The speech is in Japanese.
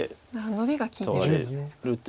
ノビが利いてると。